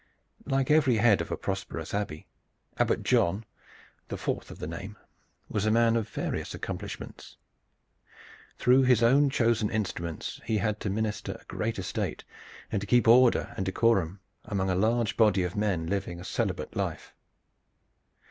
Like every head of a prosperous Abbey, Abbot John, the fourth of the name, was a man of various accomplishments. Through his own chosen instruments he had to minister a great estate and to keep order and decorum among a large body of men living a celibate life.